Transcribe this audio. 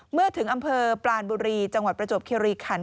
เมื่อถึงอำเภอปลานบุรีจังหวัดประจวบคิริขัน